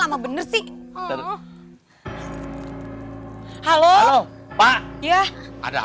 cepet pak rt